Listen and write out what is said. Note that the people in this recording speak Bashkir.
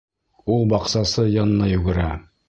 Ул баҡсасы янына йүгерә.